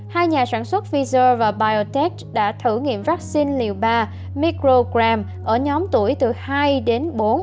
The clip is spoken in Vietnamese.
hai nhà sản xuất pfizer và biotech đã thử nghiệm vaccine liều ba microgram ở nhóm tuổi từ hai đến bốn